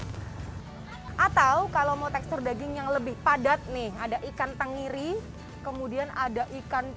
hai atau kalau mau tekstur daging yang lebih padat nih ada ikan tenggiri kemudian ada ikan